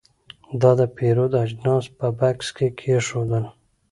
ما د پیرود اجناس په بکس کې کېښودل.